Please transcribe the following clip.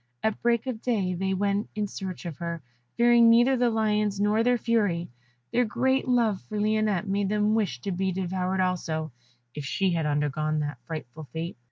At break of day they went in search of her, fearing neither the lions nor their fury; their great love for Lionette made them wish to be devoured also, if she had undergone that frightful fate.